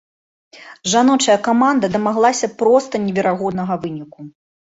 Жаночая каманда дамаглася проста неверагоднага выніку.